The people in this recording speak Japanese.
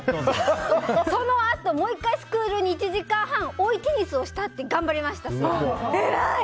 そのあともう１回スクールに１時間半、追いテニスをして頑張りました。